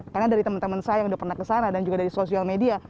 karena dari teman teman saya yang sudah pernah ke sana dan juga dari sosial media